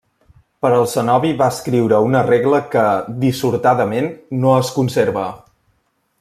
Per al cenobi va escriure una regla que, dissortadament, no es conserva.